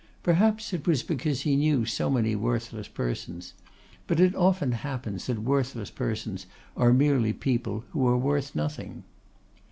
Perhaps it was because he knew so many worthless persons. But it often happens that worthless persons are merely people who are worth nothing.